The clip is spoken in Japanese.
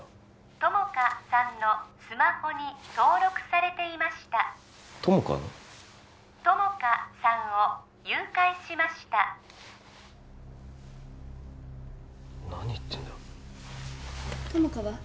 友果さんのスマホに登録されていました友果の友果さんを誘拐しました何言ってんだよ友果は？